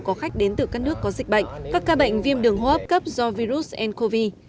có khách đến từ các nước có dịch bệnh các ca bệnh viêm đường hô hấp cấp do virus ncov